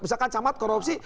misalkan camat korupsi